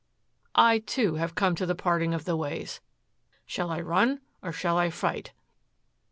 I, too, have come to the parting of the ways. Shall I run or shall I fight?"